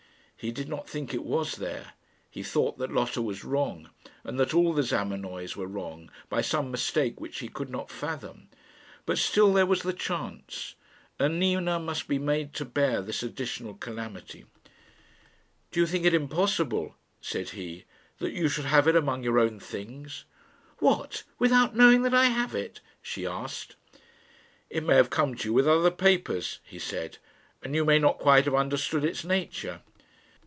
He did not think it was there; he thought that Lotta was wrong, and that all the Zamenoys were wrong, by some mistake which he could not fathom; but still there was the chance, and Nina must be made to bear this additional calamity. "Do you think it impossible," said he, "that you should have it among your own things?" "What! without knowing that I have it?" she asked. "It may have come to you with other papers," he said, "and you may not quite have understood its nature."